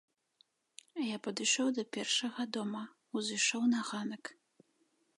Я падышоў да першага дома, узышоў на ганак.